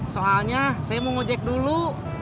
soalnya saya mau ngejek dulu